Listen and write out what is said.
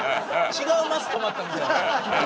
違うマス止まったみたいになってる。